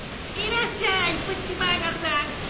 いらっしゃいプッチマーゴさん。